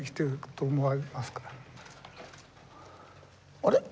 あれ？